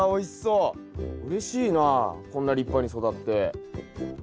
うれしいなこんな立派に育って。